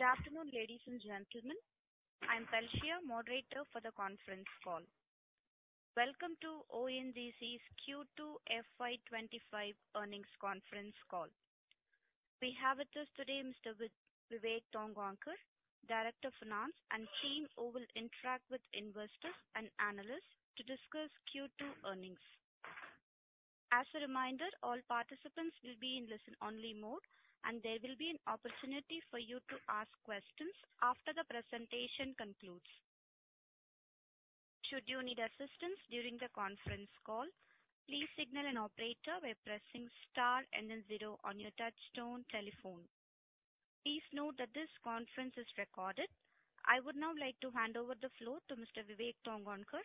Good afternoon, ladies and gentlemen. I'm Valshera, moderator for the conference call. Welcome to ONGC's Q2 FY25 earnings conference call. We have with us today Mr. Vivek Tongaonkar, Director of Finance, and team who will interact with investors and analysts to discuss Q2 earnings. As a reminder, all participants will be in listen-only mode, and there will be an opportunity for you to ask questions after the presentation concludes. Should you need assistance during the conference call, please signal an operator by pressing star and then zero on your touch-tone telephone. Please note that this conference is recorded. I would now like to hand over the floor to Mr. Vivek Tongaonkar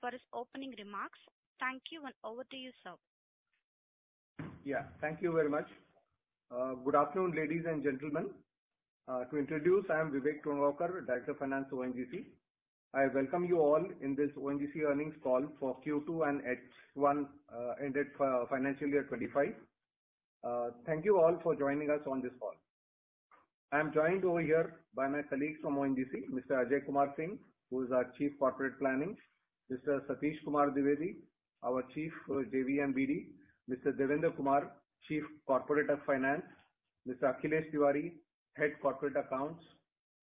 for his opening remarks. Thank you, and over to you, sir. Yeah, thank you very much. Good afternoon, ladies and gentlemen. To introduce, I'm Vivek Tongaonkar, Director of Finance at ONGC. I welcome you all in this ONGC earnings call for Q2 and H1 ended financial year 25. Thank you all for joining us on this call. I'm joined over here by my colleagues from ONGC, Mr. Ajay Kumar Singh, who is our Chief Corporate Planning; Mr. Satish Kumar Dwivedi, our Chief JV and BD; Mr. Devendra Kumar, Chief Corporate Finance; Mr. Akhilesh Tiwari, Head of Corporate Accounts;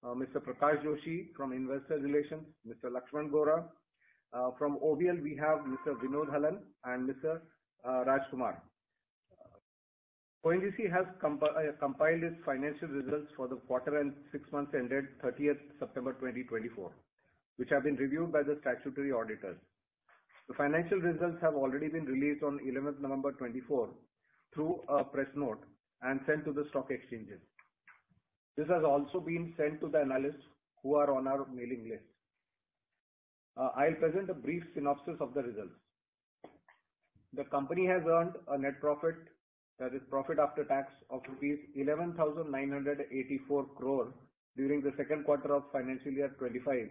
Mr. Prakash Joshi from Investor Relations; Mr. Lakshman Gora from OVL. We have Mr. Vinod Hallan and Mr. Raj Kumar. ONGC has compiled its financial results for the quarter and six months ended 30th September 2024, which have been reviewed by the statutory auditors. The financial results have already been released on 11th November 2024 through a press note and sent to the stock exchanges. This has also been sent to the analysts who are on our mailing list. I'll present a brief synopsis of the results. The company has earned a net profit, that is, profit after tax, of rupees 11,984 crore during the second quarter of financial year 25,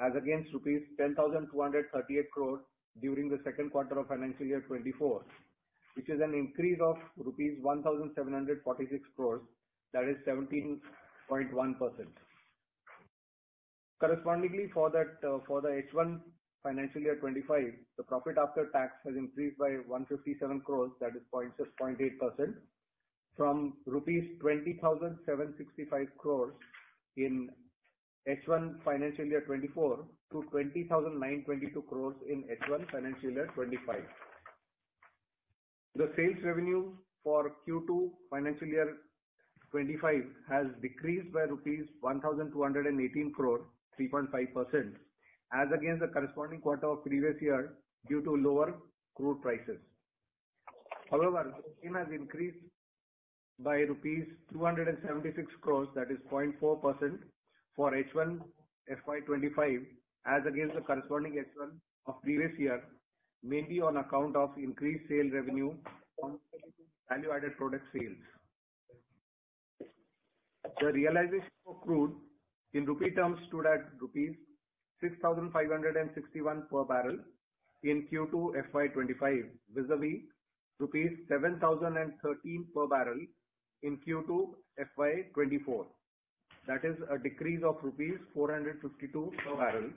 as against rupees 10,238 crore during the second quarter of financial year 24, which is an increase of rupees 1,746 crore, that is, 17.1%. Correspondingly, for the H1 financial year 25, the profit after tax has increased by 157 crore, that is, 0.8%, from rupees 20,765 crore in H1 financial year 24 to 20,922 crore in H1 financial year 25. The sales revenue for Q2 financial year 25 has decreased by rupees 1,218 crore, 3.5%, as against the corresponding quarter of previous year due to lower crude prices. However, the same has increased by rupees 276 crore, that is, 0.4%, for H1 FY25, as against the corresponding H1 of previous year, mainly on account of increased sale revenue from value-added product sales. The realization of crude in rupee terms stood at rupees 6,561 per barrel in Q2 FY25, vis-à-vis rupees 7,013 per barrel in Q2 FY24, that is, a decrease of rupees 452 per barrel,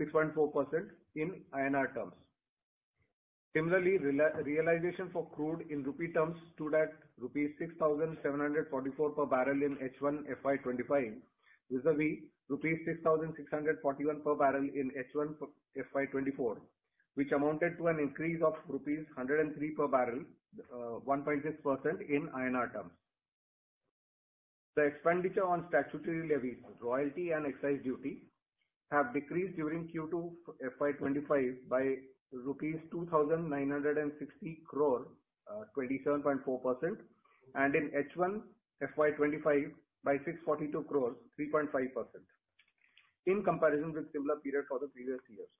6.4% in INR terms. Similarly, realization for crude in rupee terms stood at rupees 6,744 per barrel in H1 FY25, vis-à-vis rupees 6,641 per barrel in H1 FY24, which amounted to an increase of rupees 103 per barrel, 1.6% in INR terms. The expenditure on statutory levies, royalty, and excise duty have decreased during Q2 FY25 by rupees 2,960 crore, 27.4%, and in H1 FY25 by 642 crore, 3.5%, in comparison with similar periods for the previous years.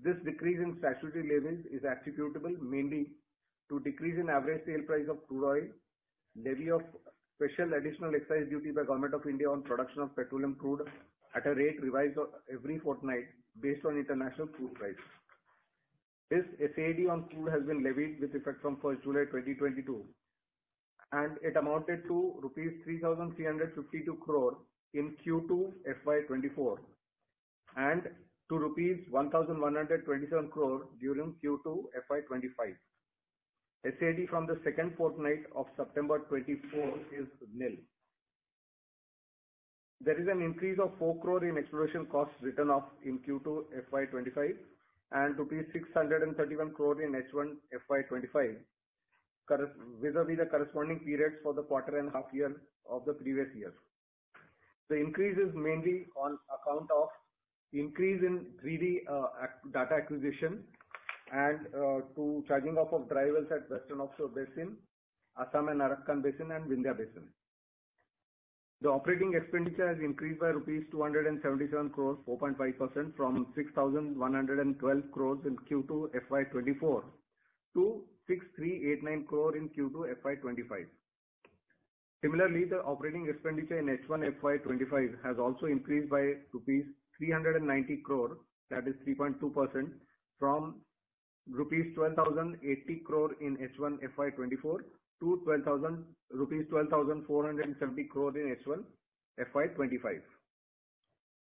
This decrease in statutory levies is attributable mainly to a decrease in average sale price of crude oil, levy of special additional excise duty by the Government of India on the production of petroleum crude at a rate revised every fortnight based on international crude prices. This SAD on crude has been levied with effect from 1st July 2022, and it amounted to rupees 3,352 crore in Q2 FY24 and to rupees 1,127 crore during Q2 FY25. SAD from the second fortnight of September 24 is nil. There is an increase of 4 crore in exploration costs written off in Q2 FY25 and rupees 631 crore in H1 FY25, vis-à-vis the corresponding periods for the quarter and half year of the previous year. The increase is mainly on account of an increase in 3D data acquisition and to charging off of dry wells at Western Offshore Basin, Assam and Arakan Basin, and Vindhya Basin. The operating expenditure has increased by rupees 277 crore, 4.5%, from 6,112 crore in Q2 FY24 to 6,389 crore in Q2 FY25. Similarly, the operating expenditure in H1 FY25 has also increased by rupees 390 crore, that is, 3.2%, from rupees 12,080 crore in H1 FY24 to 12,470 crore in H1 FY25.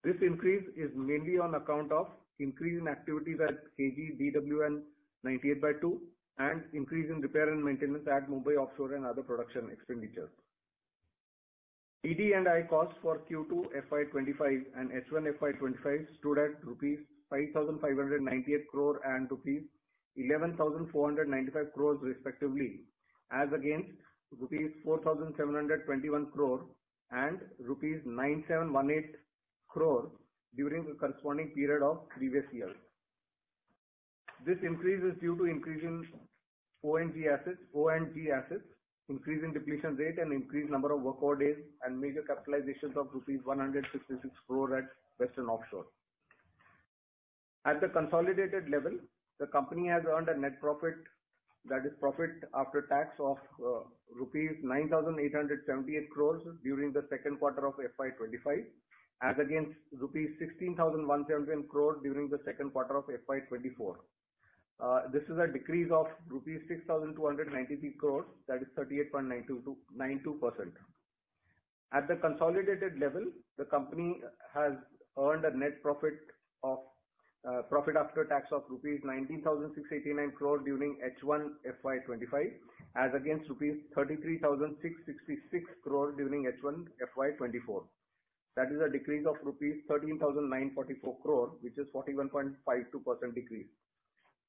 This increase is mainly on account of an increase in activities at KG-DWN-98/2 and an increase in repair and maintenance at Mumbai Offshore and other production expenditures. DD&A costs for Q2 FY25 and H1 FY25 stood at rupees 5,598 crore and rupees 11,495 crore, respectively, as against rupees 4,721 crore and rupees 9,718 crore during the corresponding period of previous years. This increase is due to an increase in ONGC assets, increase in depletion rate, and an increased number of work orders and major capitalizations of rupees 166 crore at Western Offshore. At the consolidated level, the company has earned a net profit, that is, profit after tax, of ₹9,878 crore during the second quarter of FY25, as against ₹16,171 crore during the second quarter of FY24. This is a decrease of ₹6,293 crore, that is, 38.92%. At the consolidated level, the company has earned a net profit after tax of ₹19,689 crore during H1 FY25, as against ₹33,666 crore during H1 FY24. That is a decrease of ₹13,944 crore, which is a 41.52% decrease.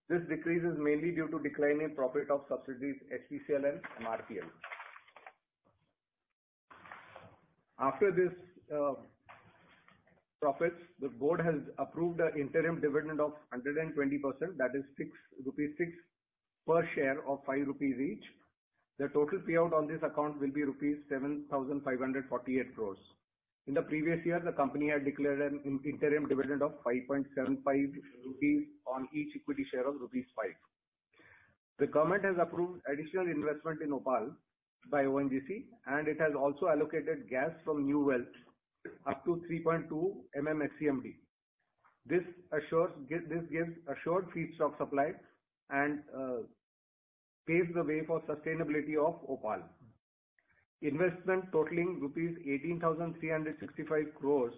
This decrease is mainly due to a decline in profits from subsidiaries, HPCL and MRPL. After these profits, the board has approved an interim dividend of 120%, that is, ₹6 per share of ₹5 each. The total payout on this account will be ₹7,548 crore. In the previous year, the company had declared an interim dividend of ₹5.75 on each equity share of ₹5. The government has approved additional investment in OPaL by ONGC, and it has also allocated new well gas up to 3.2 MMSCMD. This gives assured feedstock supply and paves the way for the sustainability of OPaL. Investment totaling rupees 18,365 crore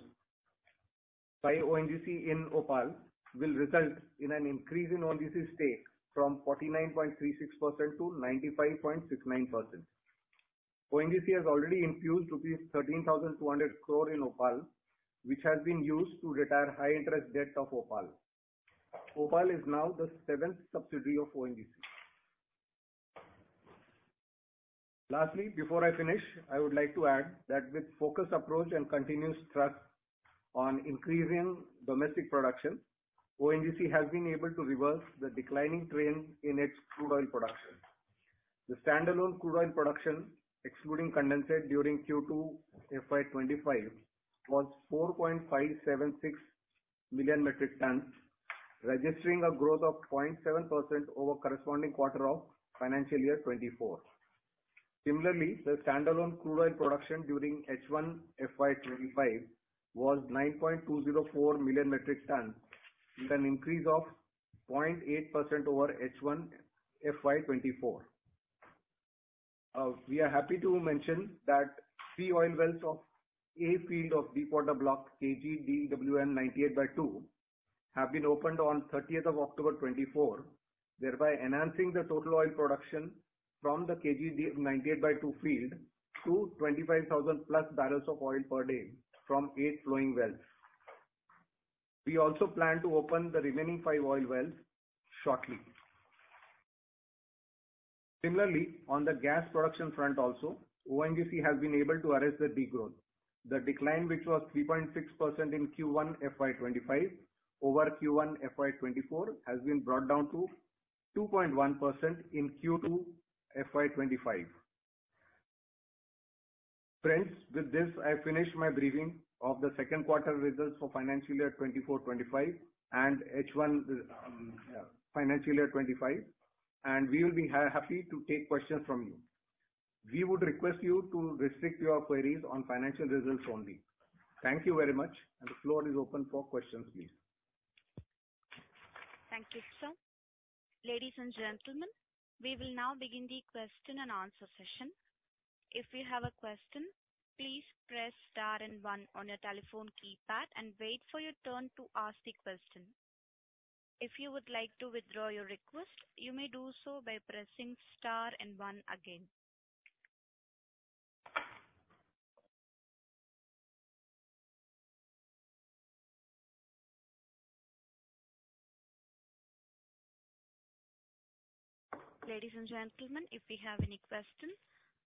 by ONGC in OPaL will result in an increase in ONGC's stake from 49.36% to 95.69%. ONGC has already infused rupees 13,200 crore in OPaL, which has been used to retire high-interest debts of OPaL. OPaL is now the seventh subsidiary of ONGC. Lastly, before I finish, I would like to add that with a focused approach and continuous thrust on increasing domestic production, ONGC has been able to reverse the declining trend in its crude oil production. The standalone crude oil production, excluding condensate during Q2 FY25, was 4.576 million metric tons, registering a growth of 0.7% over the corresponding quarter of financial year 2024. Similarly, the standalone crude oil production during H1 FY25 was 9.204 million metric tons, with an increase of 0.8% over H1 FY24. We are happy to mention that three oil wells of a field of deepwater block KG-DWN-98/2 have been opened on 30th October 2024, thereby enhancing the total oil production from the KG-DWN-98/2 field to 25,000 plus barrels of oil per day from eight flowing wells. We also plan to open the remaining five oil wells shortly. Similarly, on the gas production front also, ONGC has been able to arrest the degrowth. The decline, which was 3.6% in Q1 FY25 over Q1 FY24, has been brought down to 2.1% in Q2 FY25. Friends, with this, I finish my briefing of the second quarter results for financial year 2024-25 and H1 financial year 2025, and we will be happy to take questions from you. We would request you to restrict your queries on financial results only. Thank you very much, and the floor is open for questions, please. Thank you, sir. Ladies and gentlemen, we will now begin the question and answer session. If you have a question, please press star and one on your telephone keypad and wait for your turn to ask the question. If you would like to withdraw your request, you may do so by pressing star and one again. Ladies and gentlemen, if you have any questions,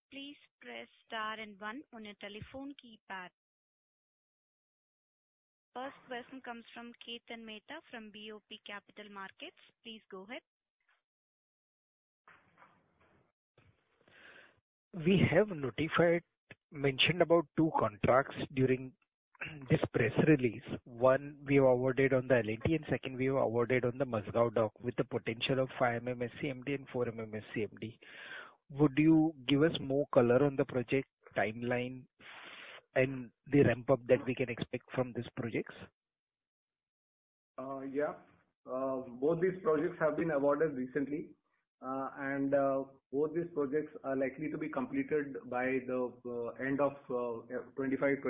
please press star and one on your telephone keypad. First question comes from Kirtan Mehta from BOB Capital Markets. Please go ahead. We have notified, mentioned about two contracts during this press release. One, we have awarded on the L&T, and second, we have awarded on the Mazagon Dock with the potential of 5 MMSCMD and 4 MMSCMD. Would you give us more color on the project timeline and the ramp-up that we can expect from these projects? Yeah. Both these projects have been awarded recently, and both these projects are likely to be completed by the end of 2025-26.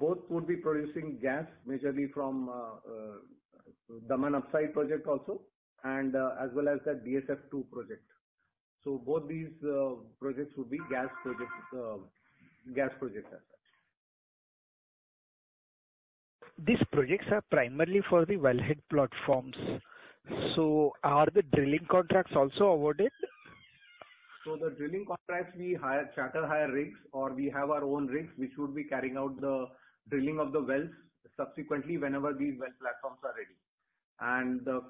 Both would be producing gas majorly from Daman Upside project also, and as well as the DSF-2 project. So both these projects would be gas projects as such. These projects are primarily for the wellhead platforms. So are the drilling contracts also awarded? The drilling contracts, we charter hire rigs, or we have our own rigs which would be carrying out the drilling of the wells subsequently whenever these well platforms are ready. The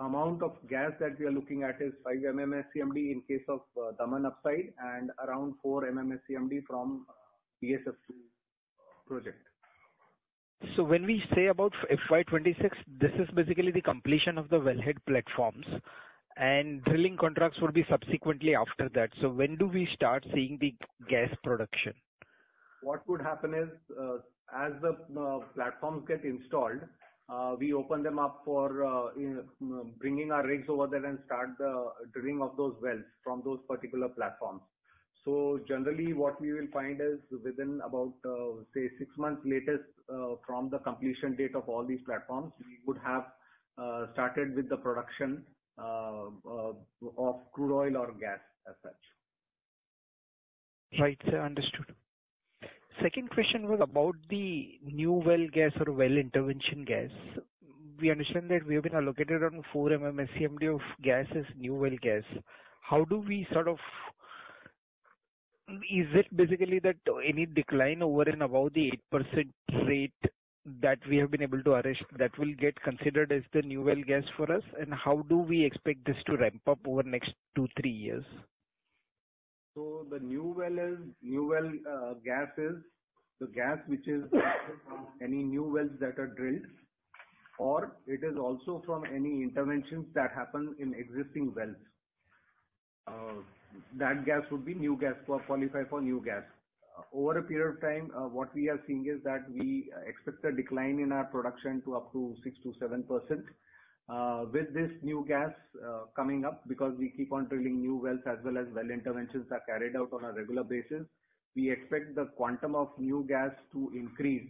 amount of gas that we are looking at is 5 MMSCMD in case of Daman Upside and around 4 MMSCMD from DSF-2 project. So when we say about FY26, this is basically the completion of the wellhead platforms, and drilling contracts would be subsequently after that. So when do we start seeing the gas production? What would happen is, as the platforms get installed, we open them up for bringing our rigs over there and start the drilling of those wells from those particular platforms. So generally, what we will find is within about, say, six months latest from the completion date of all these platforms, we would have started with the production of crude oil or gas as such. Right. Understood. Second question was about the new well gas or well intervention gas. We understand that we have been allocated around 4 MMSCMD of gas as new well gas. How do we sort of is it basically that any decline over and above the 8% rate that we have been able to arrest that will get considered as the new well gas for us? And how do we expect this to ramp up over the next two, three years? The new well gas is the gas which is from any new wells that are drilled, or it is also from any interventions that happen in existing wells. That gas would be new gas qualified for new gas. Over a period of time, what we are seeing is that we expect a decline in our production to up to 6%-7%. With this new gas coming up, because we keep on drilling new wells as well as well interventions are carried out on a regular basis, we expect the quantum of new gas to increase.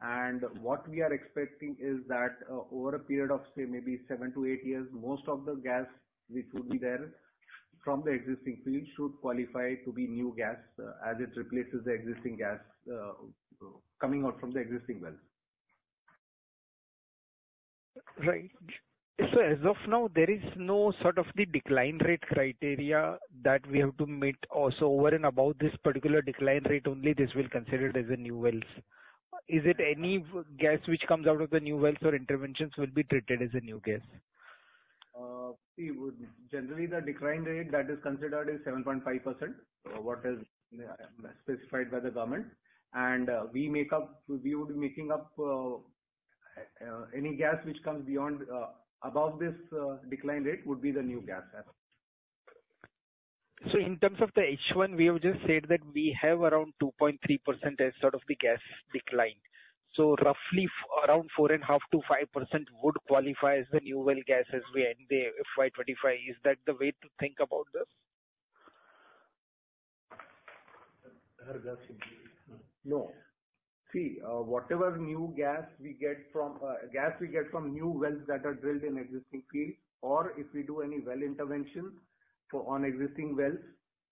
And what we are expecting is that over a period of, say, maybe seven to eight years, most of the gas which would be there from the existing field should qualify to be new gas as it replaces the existing gas coming out from the existing wells. Right. So as of now, there is no sort of the decline rate criteria that we have to meet also over and above this particular decline rate only this will be considered as the new wells. Is it any gas which comes out of the new wells or interventions will be treated as a new gas? Generally, the decline rate that is considered is 7.5%, what is specified by the government, and we would be making up any gas which comes above this decline rate would be the new gas as such. So in terms of the H1, we have just said that we have around 2.3% as sort of the gas decline. So roughly around 4.5%-5% would qualify as the new well gas as we end the FY25. Is that the way to think about this? No. See, whatever new gas we get from new wells that are drilled in existing fields, or if we do any well intervention on existing wells,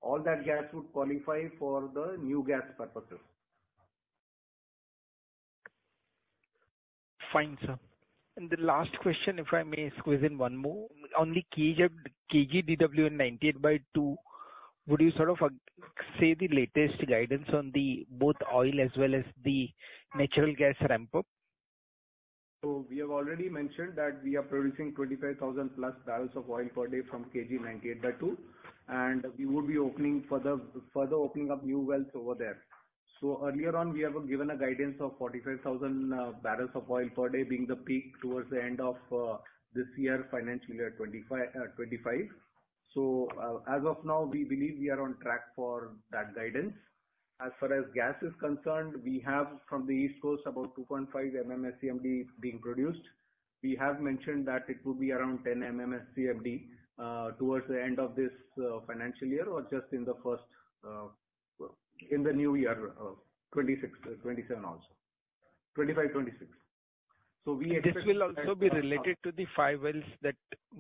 all that gas would qualify for the new gas purposes. Fine. Sir, and the last question, if I may squeeze in one more. On the KG-DWN-98/2, would you sort of say the latest guidance on both oil as well as the natural gas ramp-up? We have already mentioned that we are producing 25,000-plus barrels of oil per day from KG 98/2, and we would be opening up new wells over there. Earlier on, we have given a guidance of 45,000 barrels of oil per day being the peak towards the end of this year, financial year 25. As of now, we believe we are on track for that guidance. As far as gas is concerned, we have from the East Coast about 2.5 MMSCMD being produced. We have mentioned that it would be around 10 MMSCMD towards the end of this financial year or just in the first in the new year, 26, 27 also. 25, 26. We expect. This will also be related to the five wells that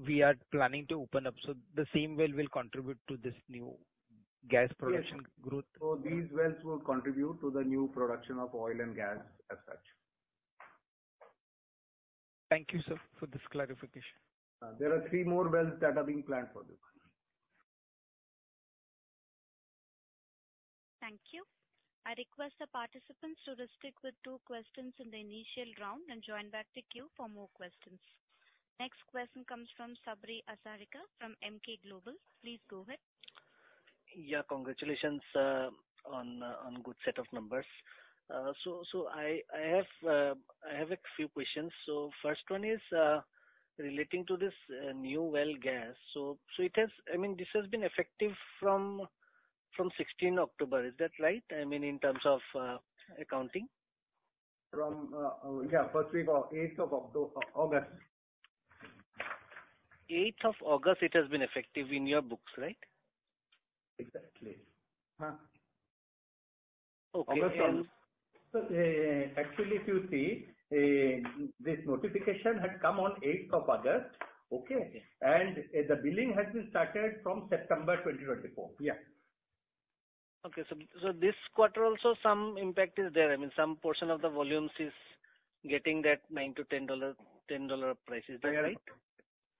we are planning to open up. So the same well will contribute to this new gas production growth? Yes, so these wells will contribute to the new production of oil and gas as such. Thank you, sir, for this clarification. There are three more wells that are being planned for this. Thank you. I request the participants to restrict with two questions in the initial round and join back to queue for more questions. Next question comes from Sabri Hazarika from Emkay Global. Please go ahead. Yeah. Congratulations on a good set of numbers. So I have a few questions. So first one is relating to this new well gas. So it has, I mean, this has been effective from 16 October. Is that right? I mean, in terms of accounting? Yeah. First week of 8th of August. 8th of August, it has been effective in your books, right? Exactly. Okay. Actually, if you see, this notification had come on 8th of August. Okay. And the billing has been started from September 2024. Yeah. Okay, so this quarter also some impact is there. I mean, some portion of the volumes is getting that $9-$10 price. Is that right?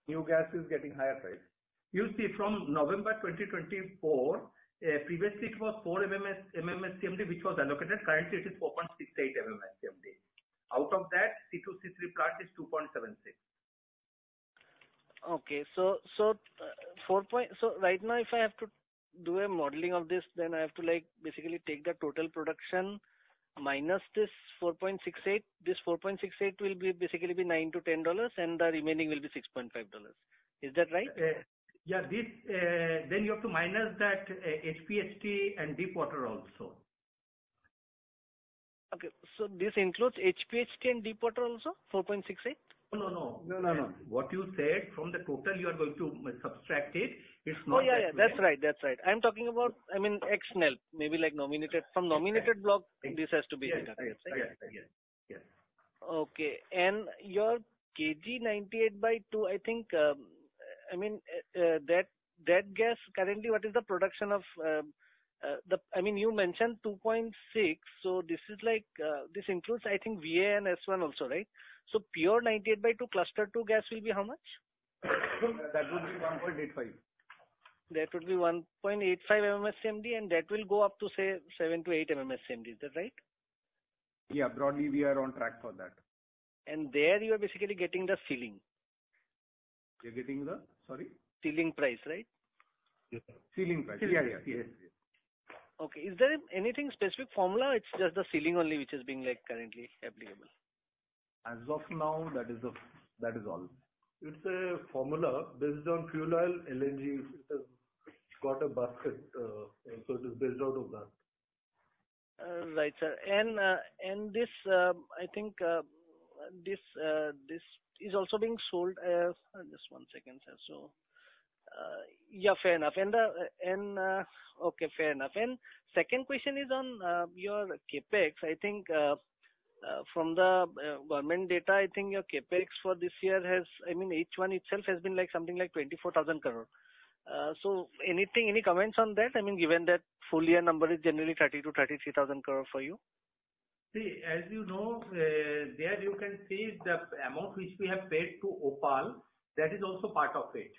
New gas is getting higher price. You see, from November 2024, previously it was 4 MMSCMD which was allocated. Currently, it is 4.68 MMSCMD. Out of that, C2, C3 plant is 2.76. Okay. So right now, if I have to do a modeling of this, then I have to basically take the total production minus this 4.68. This 4.68 will basically be $9-$10, and the remaining will be $6.5. Is that right? Yeah. Then you have to minus that HPHT and deep water also. Okay. So this includes HPHT and deepwater also, 4.68? No, no, no. No, no, no. What you said from the total, you are going to subtract it. It's not. That's right. I'm talking about, I mean, NELP, maybe like nominated from nominated block, this has to be deducted. Yes, yes, yes. Okay. And your KG 98/2, I think, I mean, that gas currently, what is the production of the? I mean, you mentioned 2.6. So this includes, I think, VA and S1 also, right? So pure 98/2 cluster 2 gas will be how much? That would be 1.85. That would be 1.85 MMSCMD, and that will go up to, say, 7-8 MMSCMD. Is that right? Yeah. Broadly, we are on track for that. There you are basically getting the sealing. You're getting the? Sorry? Selling price, right? Selling price. Yeah, yeah. Yes, yes. Okay. Is there anything specific formula? It's just the ceiling only which is being currently applicable? As of now, that is all. It's a formula based on Fuel Oil, LNG. It's got a basket. So it is based out of that. Right, sir. And this, I think this is also being sold as just one second, sir. So yeah, fair enough. And okay, fair enough. And second question is on your CapEx. I think from the government data, I think your CapEx for this year has, I mean, Q1 itself has been something like 24,000 crore. So any comments on that? I mean, given that full year number is generally 30-33 thousand crore for you? See, as you know, there you can see the amount which we have paid to OPaL. That is also part of it.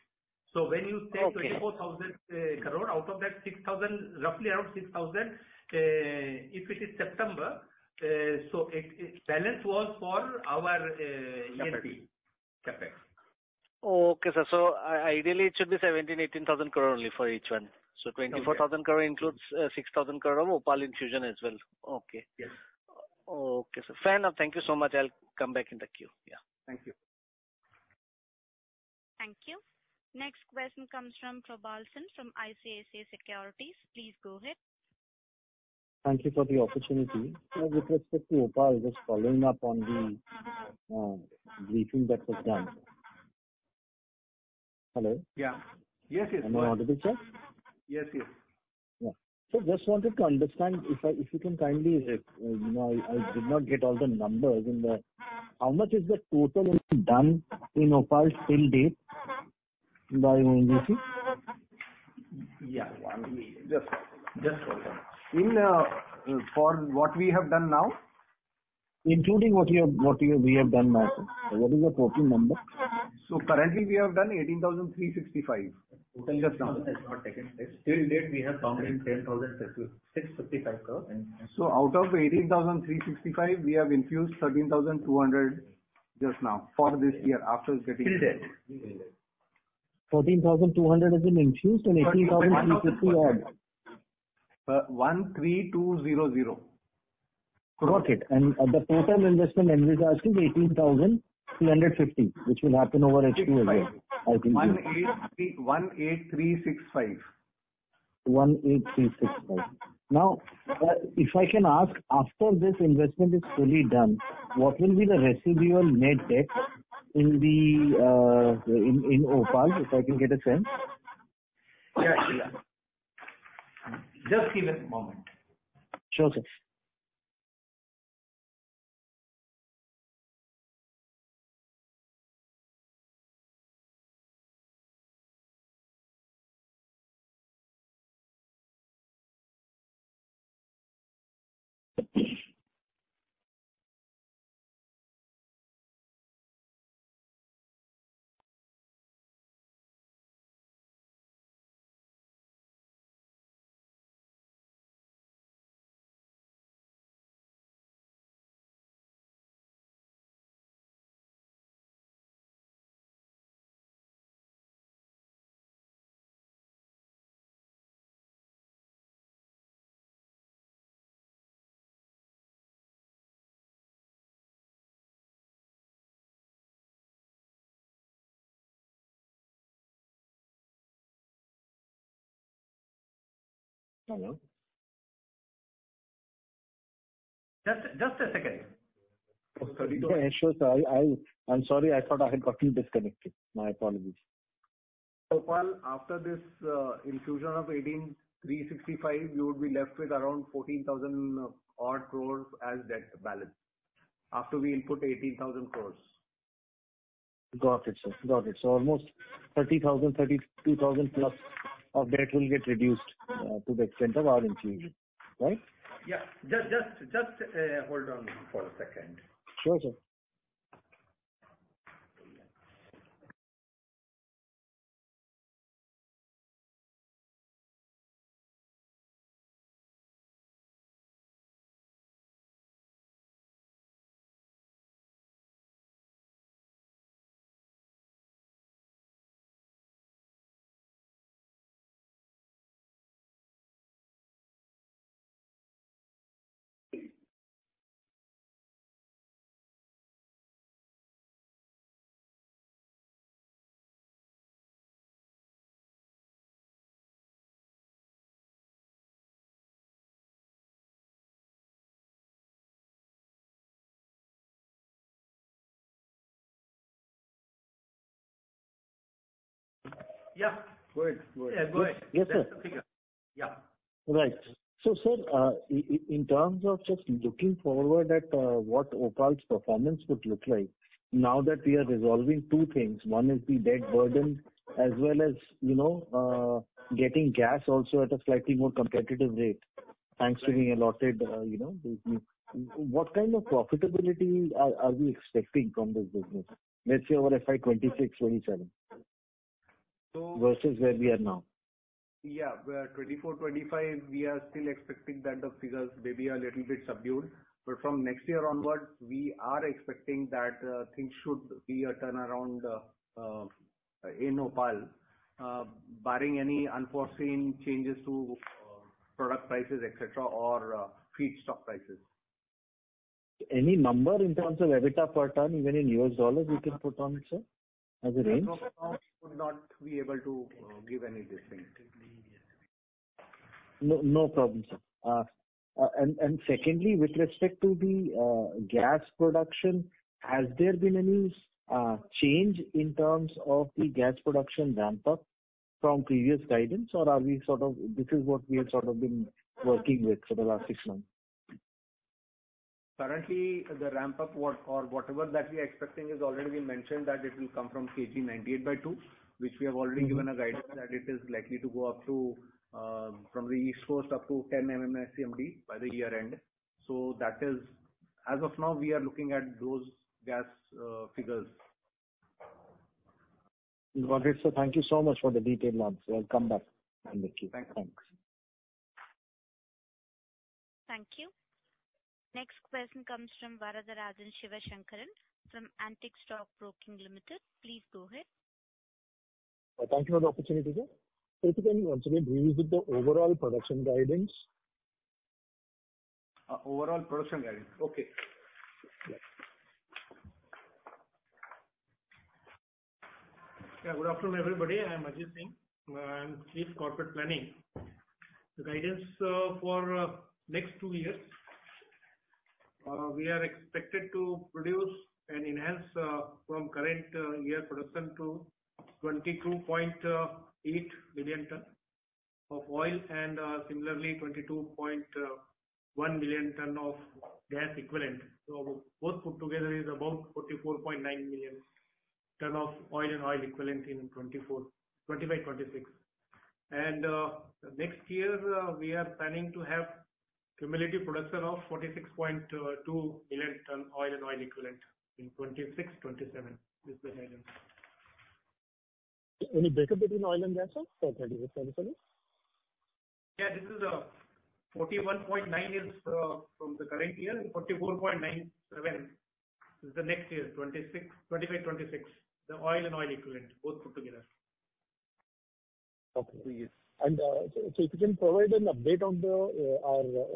So when you take 24,000 crore, out of that, roughly around 6,000 crore, if it is September, so the balance was for our CapEx. Okay, sir. So ideally, it should be 17-18 thousand crore only for each one. So 24,000 crore includes 6,000 crore of OPaL infusion as well. Okay. Yes. Okay, sir. Fair enough. Thank you so much. I'll come back in the queue. Yeah. Thank you. Thank you. Next question comes from Probal Sen from ICICI Securities. Please go ahead. Thank you for the opportunity. With respect to OPaL just following up on the briefing that was done. Hello? Yeah. Yes, yes. Any auditor check? Yes, yes. Yeah. So just wanted to understand if you can kindly, I did not get all the numbers in the, how much is the total done in OPaL till date by ONGC? Yeah. Just for what we have done now? Including what we have done now. So what is the total number? So currently, we have done 18,365. Total just now. Till date, we have done 10,655 crore. So out of 18,365, we have infused 13,200 just now for this year after getting. Till date. 14,200 has been infused and 18,350 added. 13,200. Got it. And the total investment end result is 18,350, which will happen over H2 as well, I think. 18,365. Now, if I can ask, after this investment is fully done, what will be the residual net debt in OPaL, if I can get a sense? Yeah, yeah. Just give it a moment. Sure, sir. Just a second. Oh, sorry. Yeah, sure, sir. I'm sorry. I thought I had gotten disconnected. My apologies. OPaL, after this infusion of 18,365, you would be left with around 14,000 odd crore as debt balance after we input 18,000 crores. Got it, sir. Got it. So almost 30,000, 32,000 plus of debt will get reduced to the extent of our infusion, right? Yeah. Just hold on for a second. Sure, sir. Yeah. Good. Good. Yes, sir. Yeah. Right. So, sir, in terms of just looking forward at what OPaL's performance would look like now that we are resolving two things, one is the debt burden as well as getting gas also at a slightly more competitive rate thanks to being allotted, what kind of profitability are we expecting from this business? Let's say over FY26, 27 versus where we are now. Yeah. 2024, 2025, we are still expecting that the figures may be a little bit subdued. But from next year onward, we are expecting that things should be a turnaround in OPaL, barring any unforeseen changes to product prices, etc., or feedstock prices. Any number in terms of EBITDA per ton, even in U.S. dollars, you can put on it, sir, as a range? I would not be able to give any distinct. No problem, sir. And secondly, with respect to the gas production, has there been any change in terms of the gas production ramp-up from previous guidance, or are we sort of this is what we have sort of been working with for the last six months? Currently, the ramp-up or whatever that we are expecting has already been mentioned that it will come from KG 98/2, which we have already given a guidance that it is likely to go up to from the East Coast up to 10 MMSCMD by the year end. So that is as of now, we are looking at those gas figures. Got it, sir. Thank you so much for the detailed answer. I'll come back to you. Thanks. Thanks. Thank you. Next question comes from Varatharajan Sivasankaran from Antique Stock Broking Limited. Please go ahead. Thank you for the opportunity, sir. So if you can revisit the overall production guidance. Overall production guidance. Okay. Yeah. Good afternoon, everybody. I'm Ajay Kumar Singh. I'm Chief Corporate Planning. The guidance for next two years, we are expected to produce and enhance from current year production to 22.8 million tons of oil and similarly 22.1 million tons of gas equivalent. So both put together is about 44.9 million tons of oil and oil equivalent in 2025, 2026. And next year, we are planning to have cumulative production of 46.2 million tons of oil and oil equivalent in 2026, 2027. This is the guidance. Any breakup between oil and gas, sir, for 2026, 2027? Yeah. This is 41.9 from the current year and 44.97 is the next year, 2025, 2026, the oil and gas equivalent, both put together. Okay. So if you can provide an update on our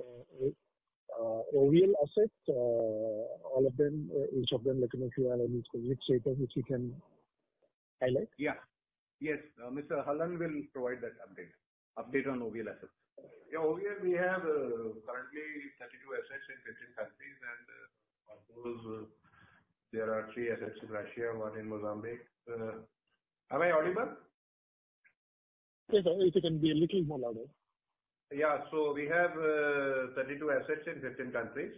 OVL assets, all of them, each of them, looking at fuel and oil equivalent status, which you can highlight. Yes. Mr. Hallan will provide that update on OVL assets. Yeah. OVL, we have currently 32 assets in 15 countries, and of those, there are three assets in Russia, one in Mozambique. Am I audible? Yes, sir. If you can be a little louder. Yeah. So we have 32 assets in 15 countries.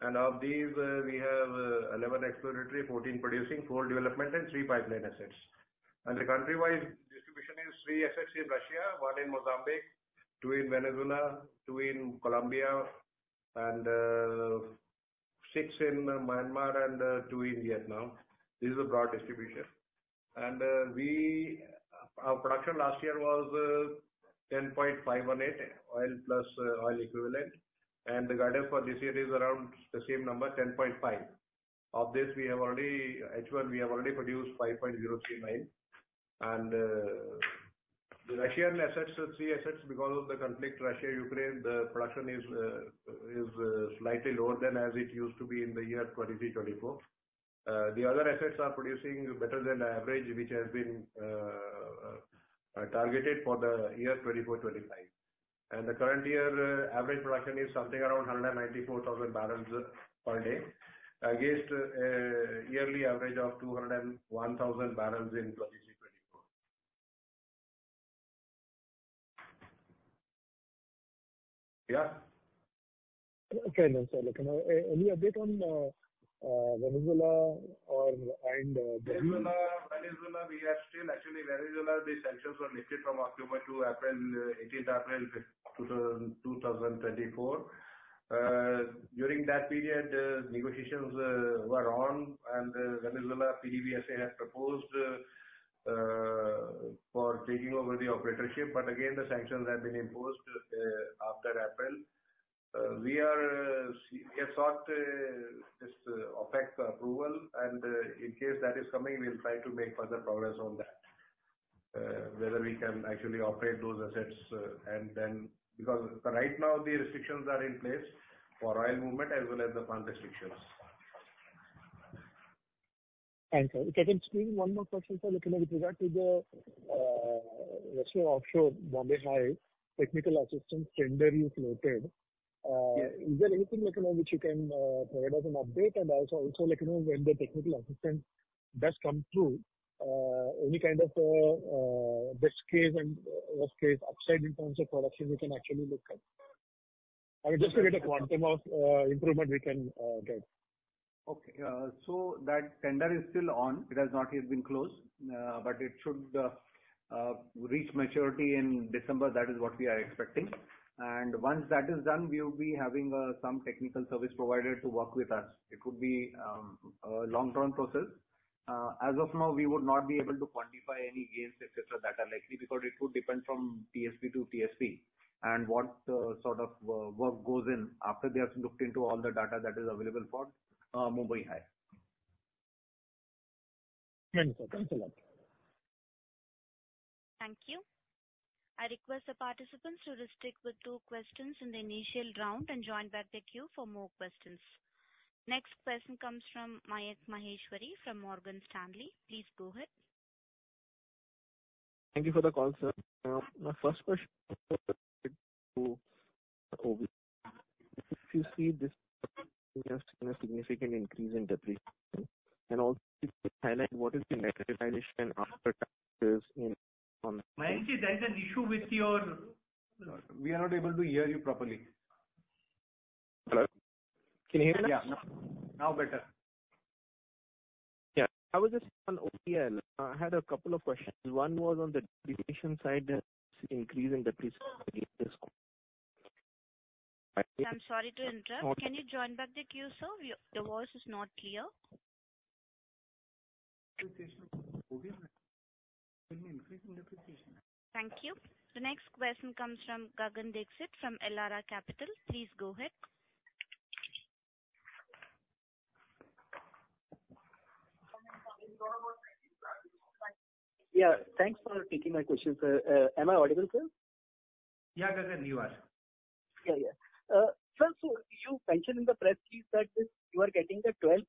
And of these, we have 11 exploratory, 14 producing, four development, and three pipeline assets. And the country-wide distribution is three assets in Russia, one in Mozambique, two in Venezuela, two in Colombia, and six in Myanmar, and two in Vietnam. This is a broad distribution. And our production last year was 10.518 oil plus oil equivalent. And the guidance for this year is around the same number, 10.5. Of this, we have already H1 produced 5.039. And the Russian assets, three assets, because of the conflict, Russia, Ukraine, the production is slightly lower than as it used to be in the year 2023, 2024. The other assets are producing better than average, which has been targeted for the year 2024, 2025. The current year average production is something around 194,000 barrels per day against a yearly average of 201,000 barrels in 2023-24. Yeah. Okay, then, sir. Look, any update on Venezuela or and? Venezuela, Venezuela, we are still actually in Venezuela, the sanctions were lifted from October to April, 18th April 2024. During that period, negotiations were on, and Venezuela PDVSA had proposed for taking over the operatorship. But again, the sanctions have been imposed after April. We have sought this OPEC approval, and in case that is coming, we'll try to make further progress on that, whether we can actually operate those assets. And then because right now, the restrictions are in place for oil movement as well as the fund restrictions. Thank you. Again, just one more question, sir. Look, with regard to the recent offshore Mumbai High Technical Assistance tender you floated, is there anything which you can provide us an update? And also, when the technical assistance does come through, any kind of best case and worst case upside in terms of production we can actually look at? And just to get a quantum of improvement we can get. Okay. So that tender is still on. It has not yet been closed, but it should reach maturity in December. That is what we are expecting. And once that is done, we will be having some technical service provider to work with us. It would be a long-term process. As of now, we would not be able to quantify any gains, etc., that are likely because it would depend from TSP to TSP and what sort of work goes in after they have looked into all the data that is available for Mumbai High. Thank you, sir. Thanks a lot. Thank you. I request the participants to restrict to two questions in the initial round and join back the queue for more questions. Next question comes from Mayank Maheshwari from Morgan Stanley. Please go ahead. Thank you for the call, sir. My first question related to OVL. If you see this significant increase in depletion, and also highlight what is the net realization after taxes on. Mayank, there is an issue with your. We are not able to hear you properly. Hello? Can you hear us? Yeah. Now better. Yeah. I was just on OVL. I had a couple of questions. One was on the depletion side, increase in depletion against this quarter. I'm sorry to interrupt. Can you join back the queue, sir? Your voice is not clear. Depletion of OVL? Can you increase in depletion? Thank you. The next question comes from Gagan Dixit from Elara Capital. Please go ahead. Yeah. Thanks for taking my question, sir. Am I audible, sir? Yeah, Gagan, you are. Yeah, yeah. Sir, so you mentioned in the press release that you are getting the 12%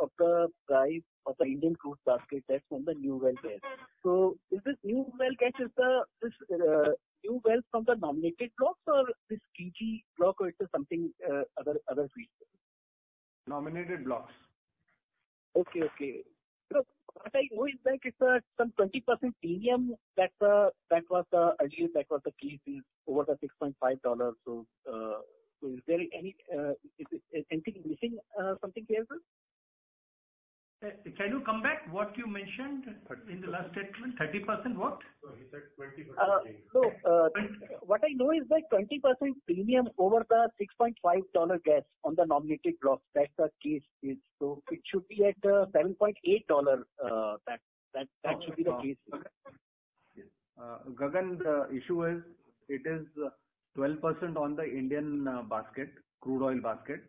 of the price of the Indian crude basket that's from the new well gas. So is this new well gas is the new wells from the nominated blocks or this KG block or it's something other field? Nominated blocks. Okay, okay. What I know is that it's some 20% premium that was the idea that was the case is over the $6.5. So is there anything missing, something here, sir? Can you come back? What you mentioned in the last statement, 30% what? He said 20% change. No. What I know is that 20% premium over the $6.5 gas on the nominated blocks, that's the case. So it should be at $7.8. That should be the case. Gagan, the issue is it is 12% on the Indian basket, crude oil basket.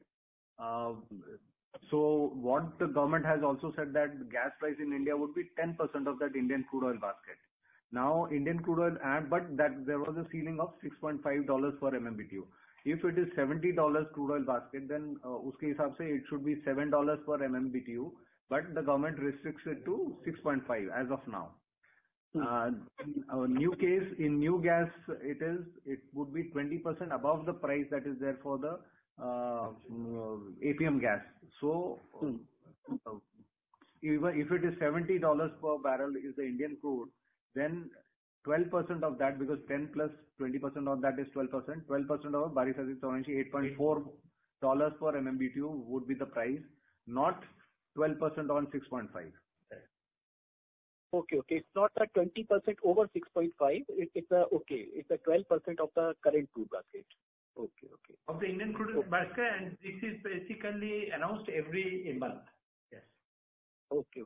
So what the government has also said that gas price in India would be 10% of that Indian crude oil basket. Now, Indian crude oil but there was a ceiling of $6.5/MMBtu. If it is $70 crude oil basket, then उसके हिसाब से it should be $7 per MMBtu, but the government restricts it to $6.5 as of now. New Well Gas, it would be 20% above the price that is there for the APM gas. So if it is $70 per barrel is the Indian crude, then 12% of that because 10% plus 20% of that is 12%, 12% of barrel $8.4 per MMBtu would be the price, not 12% on $6.5. Okay, okay. It's not 20% over 6.5. It's okay. It's 12% of the current crude basket. Okay, okay. Of the Indian crude basket, and this is basically announced every month. Yes. Okay.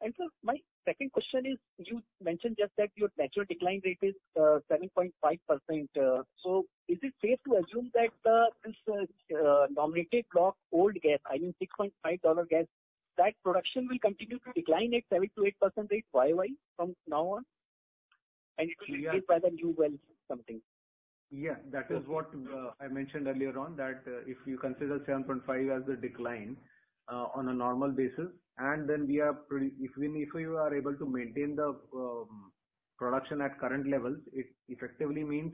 And sir, my second question is you mentioned just that your natural decline rate is 7.5%. So is it safe to assume that this nominated block old gas, I mean $6.5 gas, that production will continue to decline at 7-8% rate YY from now on? And it will increase by the new well something. Yeah. That is what I mentioned earlier on that if you consider 7.5 as the decline on a normal basis, and then we are able to maintain the production at current levels, it effectively means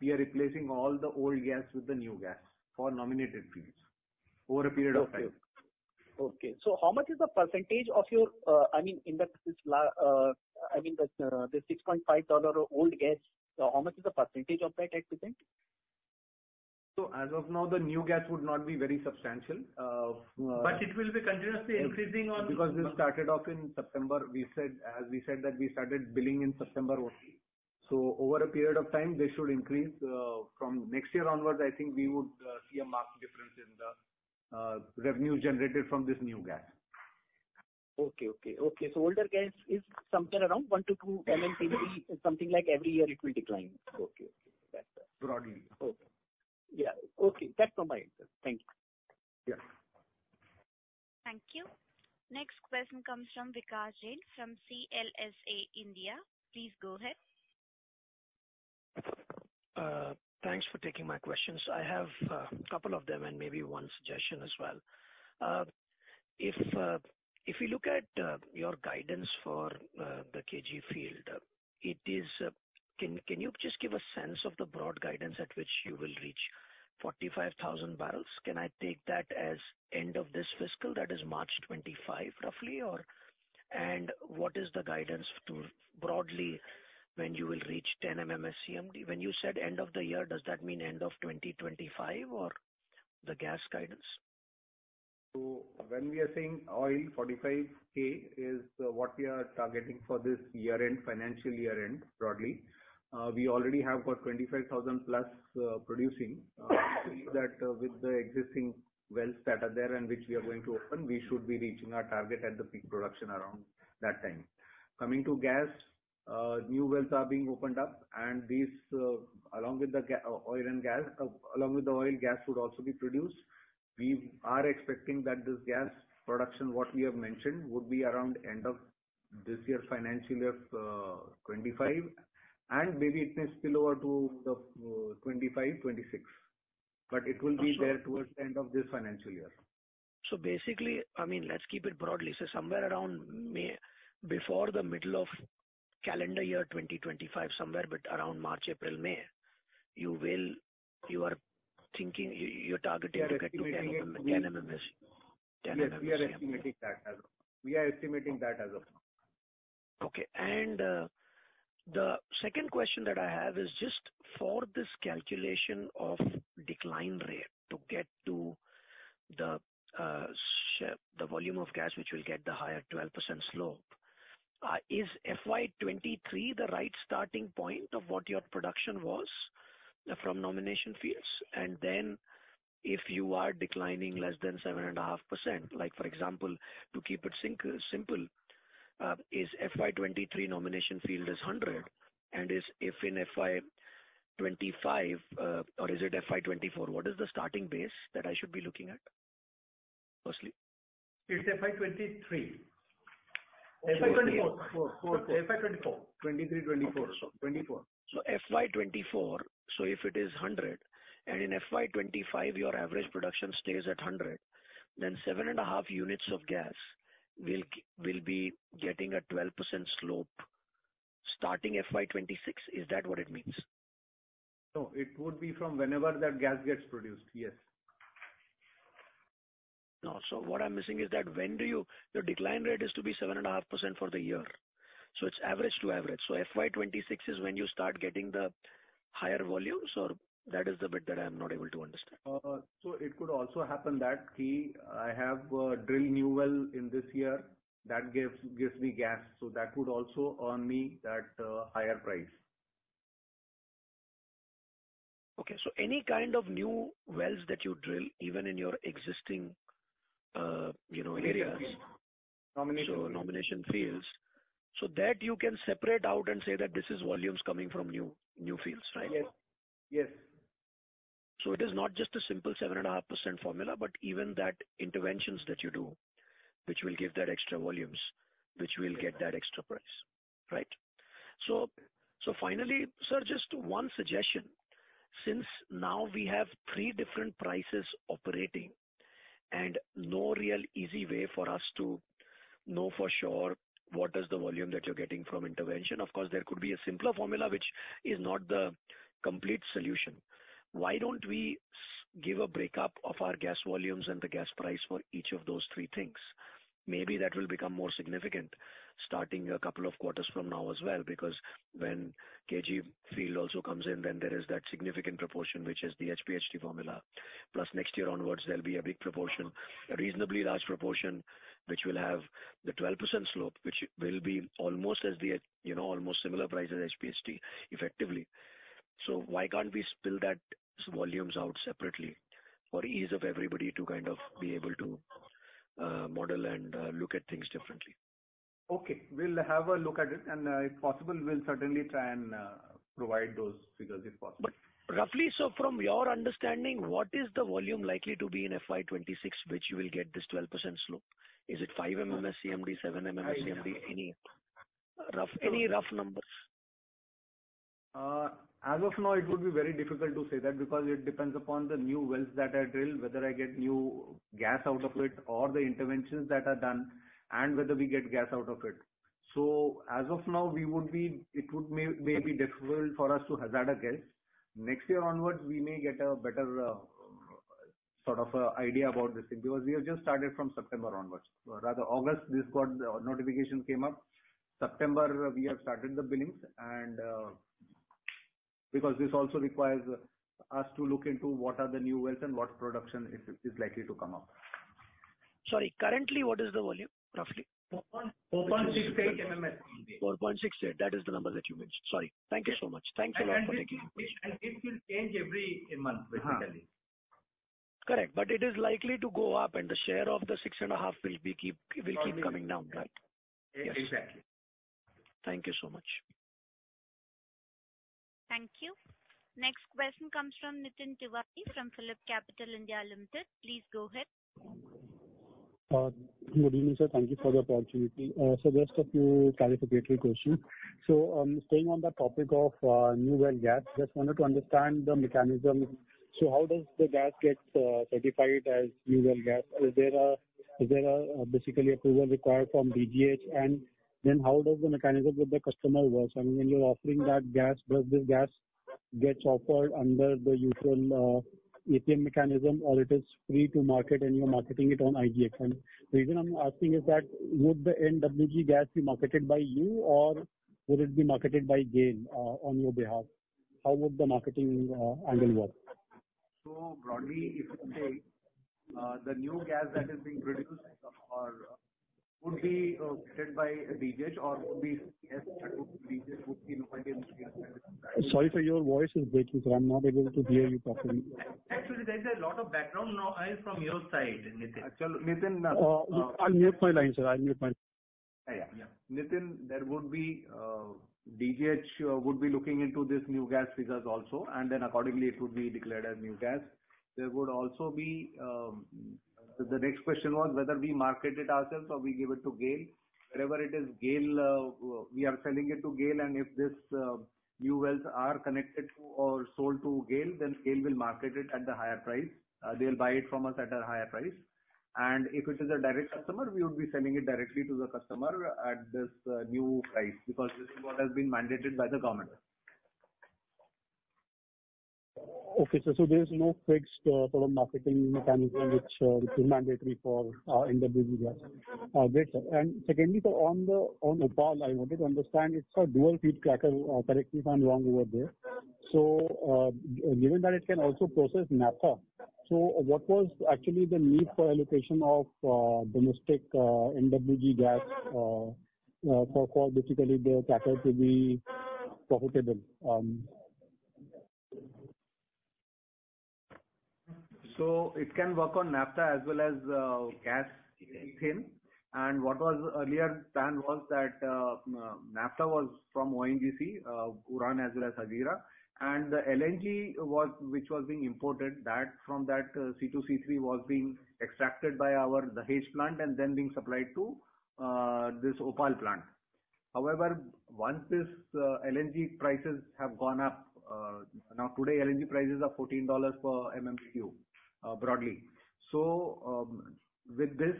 we are replacing all the old gas with the new gas for nominated fields over a period of time. Okay. So how much is the percentage of your, I mean, in the, I mean, the $6.5 old gas, how much is the percentage of that at present? So as of now, the new gas would not be very substantial. But it will be continuously increasing on. Because we started off in September, we said as we said that we started billing in September only. So over a period of time, they should increase. From next year onward, I think we would see a marked difference in the revenue generated from this new gas. Okay, so older gas is somewhere around 1-2 MMBtu, something like every year it will decline. Okay. Broadly. Okay. Yeah. Okay. That's all my answer. Thank you. Yeah. Thank you. Next question comes from Vikash Jain from CLSA India. Please go ahead. Thanks for taking my questions. I have a couple of them and maybe one suggestion as well. If we look at your guidance for the KG field, can you just give a sense of the broad guidance at which you will reach 45,000 barrels? Can I take that as end of this fiscal, that is March 2025 roughly, or? And what is the guidance to broadly when you will reach 10 MMSCMD? When you said end of the year, does that mean end of 2025 or the gas guidance? When we are saying oil 45K is what we are targeting for this year-end, financial year-end broadly. We already have got 25,000 plus producing. That with the existing wells that are there and which we are going to open, we should be reaching our target at the peak production around that time. Coming to gas, new wells are being opened up, and these along with the oil and gas, along with the oil gas would also be produced. We are expecting that this gas production, what we have mentioned, would be around end of this year, financial year 25, and maybe it may spill over to the 25, 26. But it will be there towards the end of this financial year. So basically, I mean, let's keep it broadly. So somewhere around before the middle of calendar year 2025, somewhere around March, April, May, you are thinking you're targeting to get to 10 MMSCMD. Yes. We are estimating that as of now. Okay. And the second question that I have is just for this calculation of decline rate to get to the volume of gas which will get the higher 12% slope, is FY23 the right starting point of what your production was from nomination fields? And then if you are declining less than 7.5%, for example, to keep it simple, is FY23 nomination field is 100, and if in FY25, or is it FY24? What is the starting base that I should be looking at firstly? It's FY23. FY24. FY24, 2023, 2024, 2024. So FY24, so if it is 100, and in FY25, your average production stays at 100, then 7.5 units of gas will be getting a 12% slope starting FY26. Is that what it means? No. It would be from whenever that gas gets produced. Yes. No. So what I'm missing is that when do you the decline rate is to be 7.5% for the year. So it's average to average. So FY26 is when you start getting the higher volumes, or that is the bit that I'm not able to understand. So it could also happen that I have drilled new well in this year. That gives me gas. So that would also earn me that higher price. Okay. So any kind of new wells that you drill, even in your existing areas. Nomination fields. So, nomination fields. So that you can separate out and say that this is volumes coming from new fields, right? Yes. Yes. So it is not just a simple 7.5% formula, but even that interventions that you do, which will give that extra volumes, which will get that extra price, right? So finally, sir, just one suggestion. Since now we have three different prices operating and no real easy way for us to know for sure what is the volume that you're getting from intervention, of course, there could be a simpler formula, which is not the complete solution. Why don't we give a breakup of our gas volumes and the gas price for each of those three things? Maybe that will become more significant starting a couple of quarters from now as well. Because when KG field also comes in, then there is that significant proportion, which is the HPHT formula. Plus next year onwards, there'll be a big proportion, a reasonably large proportion, which will have the 12% slope, which will be almost as the almost similar price as HPHT effectively. So why can't we split those volumes out separately for ease of everybody to kind of be able to model and look at things differently? Okay. We'll have a look at it, and if possible, we'll certainly try and provide those figures if possible. But roughly, so from your understanding, what is the volume likely to be in FY26, which will get this 12% slope? Is it 5 MMSCMD, 7 MMSCMD, any rough numbers? As of now, it would be very difficult to say that because it depends upon the new wells that I drill, whether I get new gas out of it or the interventions that are done, and whether we get gas out of it, so as of now it would be maybe difficult for us to hazard a guess. Next year onwards, we may get a better sort of idea about this thing because we have just started from September onwards, rather August this got the notification came up. September we have started the billings, and because this also requires us to look into what are the new wells and what production is likely to come up. Sorry, currently what is the volume, roughly? 4.68 MMSCMD. 4.68. That is the number that you mentioned. Sorry. Thank you so much. Thanks a lot for taking the question. It will change every month, basically. Correct. But it is likely to go up, and the share of the 6.5 will keep coming down, right? Yes. Exactly. Thank you so much. Thank you. Next question comes from Nitin Tiwari from PhillipCapital (India) Private Limited. Please go ahead. Good evening, sir. Thank you for the opportunity. So just a few clarificatory questions. So staying on the topic of new well gas, just wanted to understand the mechanism. So how does the gas get certified as new well gas? Is there basically approval required from DGH? And then how does the mechanism with the customer work? I mean, when you're offering that gas, does this gas get offered under the usual APM mechanism, or is it free to market, and you're marketing it on IGX? And the reason I'm asking is that would the NWG gas be marketed by you, or would it be marketed by GAIL on your behalf? How would the marketing angle work? Broadly, if you say the new gas that is being produced would be marketed by DGH or would be nominated? Sorry, your voice is breaking, sir. I'm not able to hear you properly. Actually, there is a lot of background noise from your side, Nitin. Actually, Nitin, no. I'll mute my line, sir. I'll mute mine. Yeah. Nitin, there would be DGH would be looking into this new gas figures also. And then accordingly, it would be declared as new gas. There would also be the next question was whether we market it ourselves or we give it to GAIL. Whatever it is, we are selling it to GAIL. And if these new wells are connected to or sold to GAIL, then GAIL will market it at the higher price. They will buy it from us at a higher price. And if it is a direct customer, we would be selling it directly to the customer at this new price because this is what has been mandated by the government. Okay, sir. So there is no fixed sort of marketing mechanism which is mandatory for NWG gas. Great. And secondly, sir, on OPaL, I wanted to understand it's a dual feed cracker. Correct me if I'm wrong over there. So given that it can also process naphtha, so what was actually the need for allocation of domestic NWG gas for basically the cracker to be profitable? It can work on naphtha as well as gas then. What was earlier planned was that naphtha was from ONGC, Uran as well as Hazira. The LNG which was being imported from that C2, C3 was being extracted by our Dahej plant and then being supplied to this OPaL plant. However, once these LNG prices have gone up, now today LNG prices are $14 per MMBtu broadly. With this,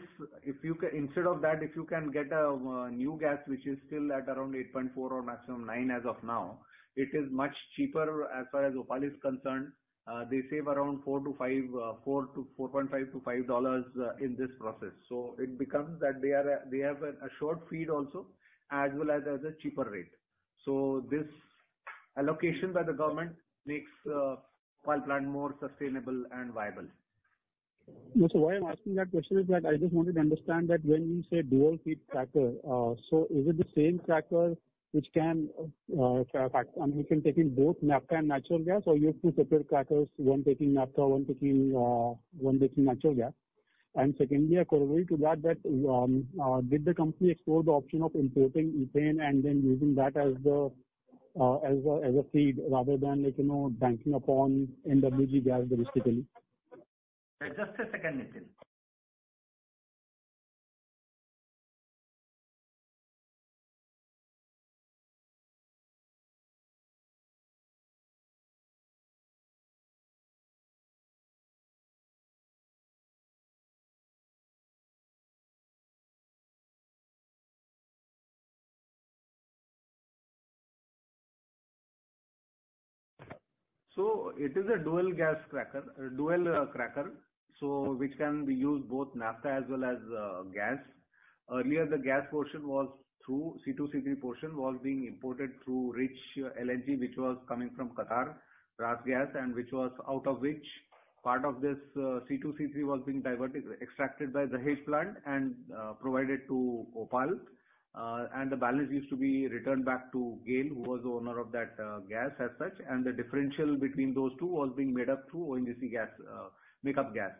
instead of that, if you can get a new gas which is still at around $8.4 or maximum $9 as of now, it is much cheaper as far as OPaL is concerned. They save around $4-5, $4.5-$5 dollars in this process. It becomes that they have a short feed also as well as a cheaper rate. This allocation by the government makes OPaL plant more sustainable and viable. So why I'm asking that question is that I just wanted to understand that when you say dual feed cracker, so is it the same cracker which can I mean, you can take in both naphtha and natural gas, or you have to separate crackers when taking naphtha, when taking natural gas? And secondly, a corollary to that, did the company explore the option of importing ethane and then using that as a feed rather than banking upon NWG gas domestically? Just a second, Nitin. So it is a dual gas cracker, dual cracker, which can be used both naphtha as well as gas. Earlier, the gas portion was through C2, C3 portion was being imported through rich LNG, which was coming from Qatar, RasGas, and which was out of which part of this C2, C3 was being extracted by Dahej plant and provided to OPaL. And the balance used to be returned back to GAIL, who was the owner of that gas as such. And the differential between those two was being made up through ONGC gas, makeup gas.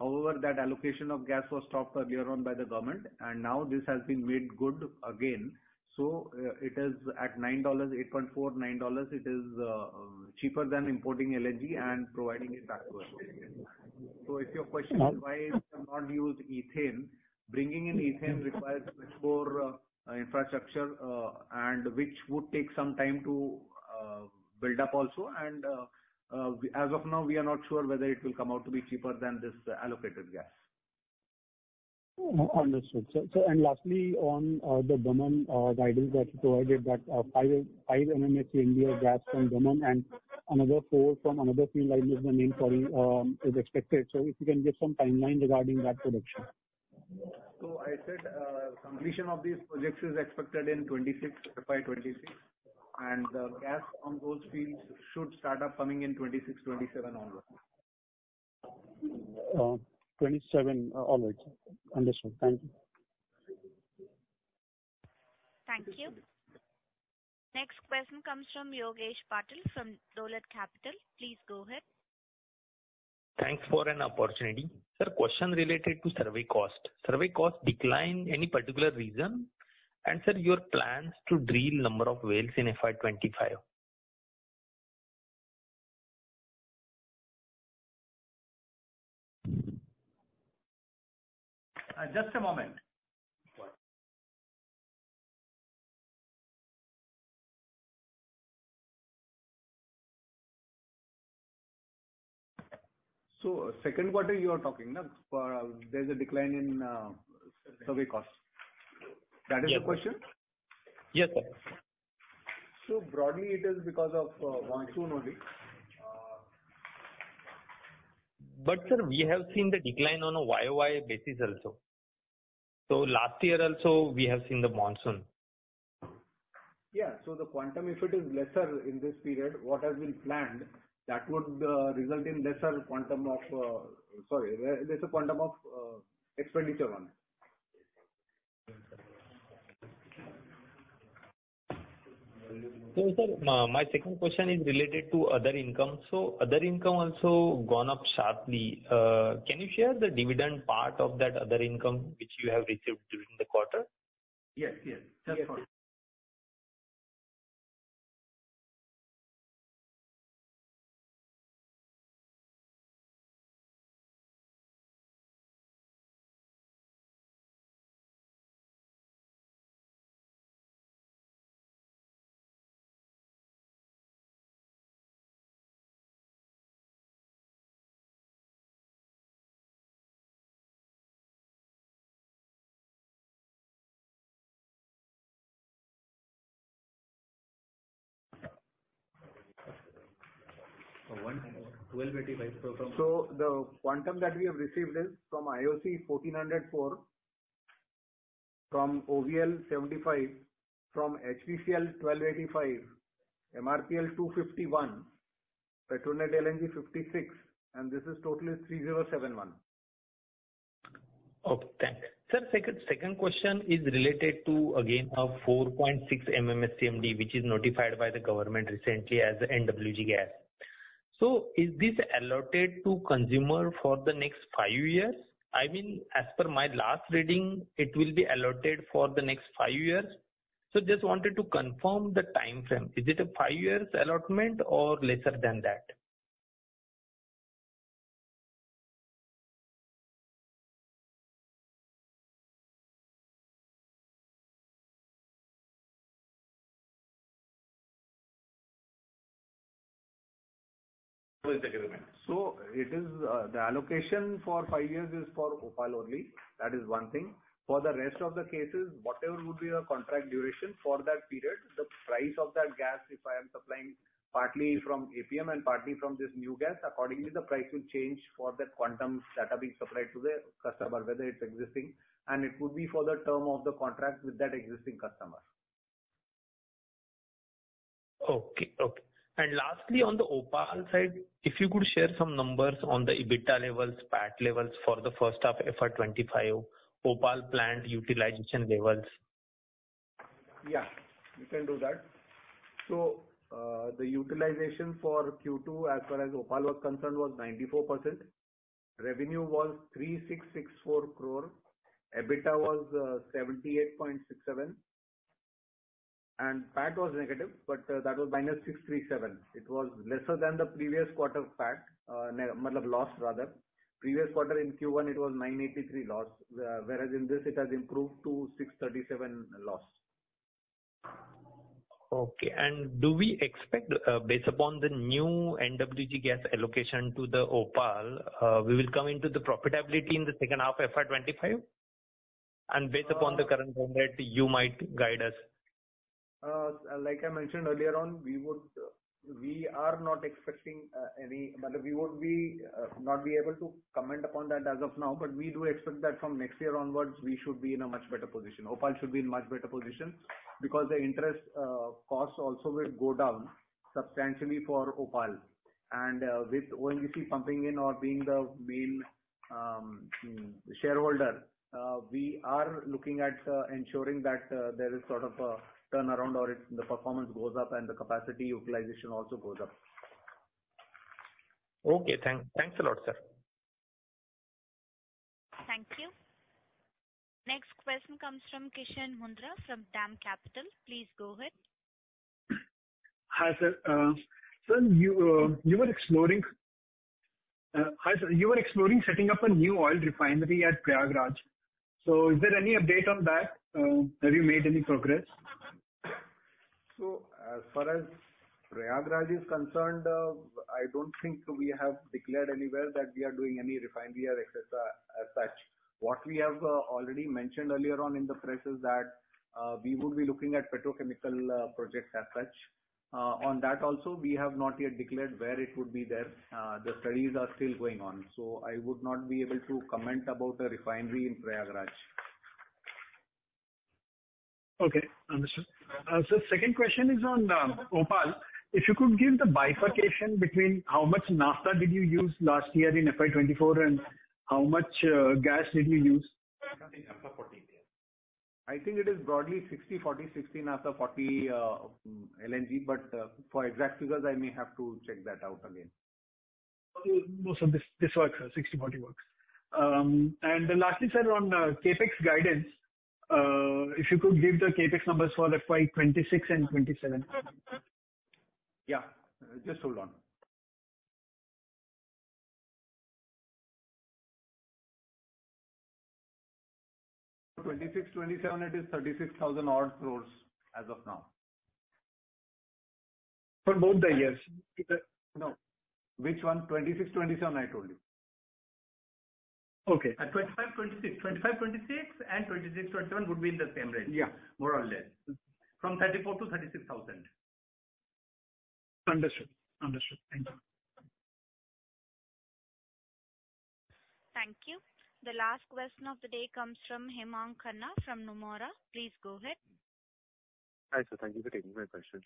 However, that allocation of gas was stopped earlier on by the government. And now this has been made good again. So it is at $9.8-$9. It is cheaper than importing LNG and providing it back to us. So if your question is why it cannot use ethane, bringing in ethane requires much more infrastructure, which would take some time to build up also. And as of now, we are not sure whether it will come out to be cheaper than this allocated gas. Understood. Lastly, on the Daman guidance that you provided, that 5 MMSCMD of gas from Daman and another 4 from another field, like, is mainly expected. If you can give some timeline regarding that production. I said completion of these projects is expected in 2026, FY 2026. The gas from those fields should start coming up in 2026, 2027 onwards. 27 onwards. Understood. Thank you. Thank you. Next question comes from Yogesh Patil from Dolat Capital. Please go ahead. Thanks for an opportunity. Sir, question related to survey cost. Survey cost decline? Any particular reason? And sir, your plans to drill number of wells in FY25? Just a moment. So, second quarter, you are talking, there's a decline in survey cost. That is the question? Yes, sir. Broadly, it is because of monsoon only. But sir, we have seen the decline on a YOY basis also. So last year also, we have seen the monsoon. Yeah. So the quantum, if it is lesser in this period, what has been planned, that would result in lesser quantum of expenditure on it. So sir, my second question is related to other income. So other income also gone up sharply. Can you share the dividend part of that other income which you have received during the quarter? Yes. Yes. Just one. So the quantum that we have received is from IOC 1404, from OVL 75, from HPCL 1285, MRPL 251, Petronet LNG 56, and this is totally 3071. Okay. Thanks. Sir, second question is related to, again, a 4.6 MMSCMD, which is notified by the government recently as NWG gas. So is this allotted to consumer for the next five years? I mean, as per my last reading, it will be allotted for the next five years. So just wanted to confirm the time frame. Is it a five-year allotment or lesser than that? So it is the allocation for five years is for OPaL only. That is one thing. For the rest of the cases, whatever would be the contract duration for that period, the price of that gas, if I am supplying partly from APM and partly from this new gas, accordingly, the price will change for that quantum that are being supplied to the customer, whether it's existing, and it would be for the term of the contract with that existing customer. Okay. And lastly, on the OPaL side, if you could share some numbers on the EBITDA levels, PAT levels for the first half of FY25, OPaL plant utilization levels? Yeah. You can do that. The utilization for Q2, as far as OPaL was concerned, was 94%. Revenue was 3,664 crore. EBITDA was 78.67 crore. And PAT was negative, but that was minus 637 crore. It was lesser than the previous quarter PAT, might have lost rather. Previous quarter in Q1, it was 983 crore loss, whereas in this, it has improved to 637 crore loss. Okay. And do we expect, based upon the new NWG gas allocation to the OPaL, we will come into the profitability in the second half of FY25? And based upon the current trend, you might guide us. Like I mentioned earlier on, we are not expecting any but we would not be able to comment upon that as of now, but we do expect that from next year onwards, we should be in a much better position. OPaL should be in a much better position because the interest cost also will go down substantially for OPaL. And with ONGC pumping in or being the main shareholder, we are looking at ensuring that there is sort of a turnaround or the performance goes up and the capacity utilization also goes up. Okay. Thanks a lot, sir. Thank you. Next question comes from Kishan Mundhra from DAM Capital. Please go ahead. Hi, sir. Sir, you were exploring setting up a new oil refinery at Prayagraj. So is there any update on that? Have you made any progress? So as far as Prayagraj is concerned, I don't think we have declared anywhere that we are doing any refinery as such. What we have already mentioned earlier on in the press is that we would be looking at petrochemical projects as such. On that also, we have not yet declared where it would be there. The studies are still going on. So I would not be able to comment about a refinery in Prayagraj. Okay. Understood. So second question is on OPaL. If you could give the bifurcation between how much naphtha did you use last year in FY24 and how much gas did you use? I think it is broadly 60, 40, 60 naphtha, 40 LNG, but for exact figures, I may have to check that out again. So this works. 60, 40 works. And lastly, sir, on CapEx guidance, if you could give the CapEx numbers for FY26 and 27. Yeah. Just hold on. 26, 27, it is 36,000-odd crores as of now. For both the years? No. Which one? 26, 27, I told you. Okay. 25, 26. 25, 26 and 26, 27 would be in the same range. More or less. From 34 to 36,000. Understood. Understood. Thank you. Thank you. The last question of the day comes from Hemang Khanna from Nomura. Please go ahead. Hi sir. Thank you for taking my question.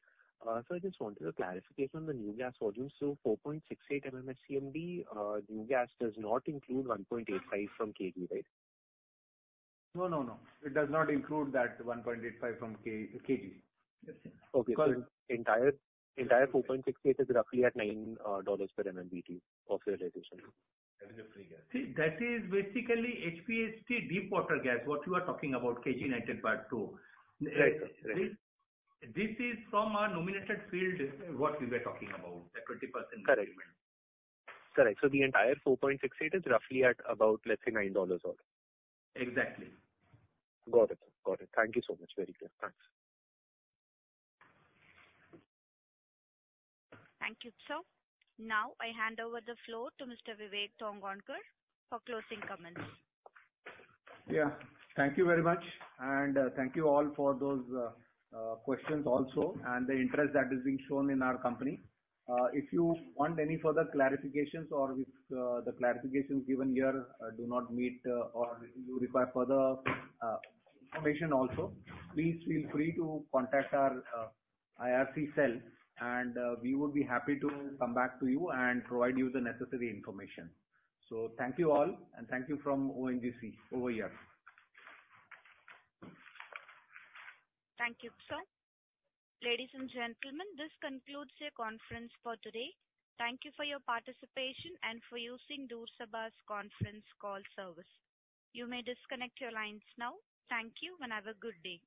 So I just wanted a clarification on the new gas volume. So 4.68 MMSCMD new gas does not include 1.85 from KG, right? No, no, no. It does not include that 1.85 from KG. Yes, sir. Okay. So entire 4.68 is roughly at $9 per MMBtu of utilization. That is basically HPHT deepwater gas, what you are talking about, KG-DWN-98/2. Right, sir. This is from our nominated field, what we were talking about, the 20%. Correct. Correct. So the entire 4.68 is roughly at about, let's say, $9 odd. Exactly. Got it. Got it. Thank you so much. Very clear. Thanks. Thank you, sir. Now I hand over the floor to Mr. Vivek Tongaonkar for closing comments. Yeah. Thank you very much. And thank you all for those questions also and the interest that is being shown in our company. If you want any further clarifications or if the clarifications given here do not meet or you require further information also, please feel free to contact our IR cell and we would be happy to come back to you and provide you the necessary information. Thank you all and thank you from ONGC over here. Thank you, sir. Ladies and gentlemen, this concludes the conference for today. Thank you for your participation and for using uncertain conference call service. You may disconnect your lines now. Thank you and have a good day.